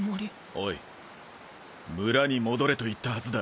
おい村に戻れと言ったはずだ。